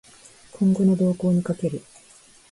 今後の動向に賭ける